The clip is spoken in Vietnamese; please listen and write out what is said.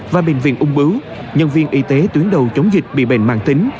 và bệnh viện úng bứu nhân viên y tế tuyến đầu chống dịch bị bệnh mạng tính